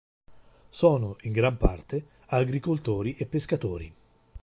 Sono in gran parte agricoltori e pescatori.